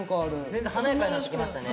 全然華やかになってきましたね。